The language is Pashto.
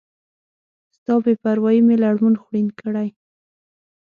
ستا بی پروایي می لړمون خوړین کړی